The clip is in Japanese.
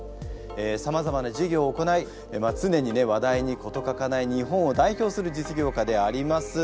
さまざまな事業を行いつねにね話題に事欠かない日本を代表する実業家であります。